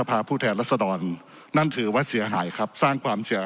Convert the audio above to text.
ผู้แทนรัศดรนั่นถือว่าเสียหายครับสร้างความเสีย